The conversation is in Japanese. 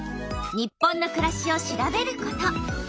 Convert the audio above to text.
「日本のくらし」を調べること。